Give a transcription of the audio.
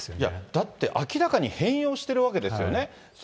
だって、明らかに変容しているわけですよね。